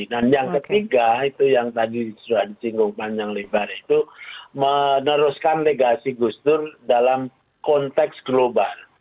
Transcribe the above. nah yang ketiga itu yang tadi sudah di singgungkan yang lebar itu meneruskan legasi gus dur dalam konteks global